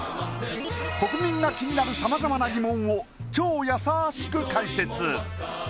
国民が気になる様々な疑問を超やさしく解説